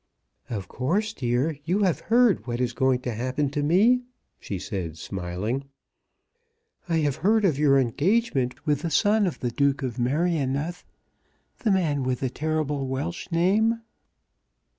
"Of course, dear, you have heard what is going to happen to me," she said, smiling. "I have heard of your engagement with the son of the Duke of Merioneth, the man with the terrible Welsh name."